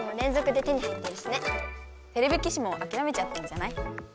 てれび騎士もあきらめちゃったんじゃない？